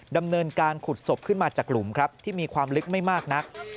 ดำเนินการขุดศพขึ้นมาจากหลุมครับที่มีความลึกไม่มากนัก